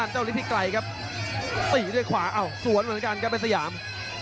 ฤทธิไกรครับตีด้วยขวาอ้าวสวนเหมือนกันครับเป็นสยาม